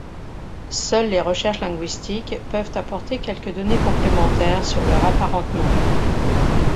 Seules les recherches linguistiques peuvent apporter quelques données complémentaires sur leurs apparentements.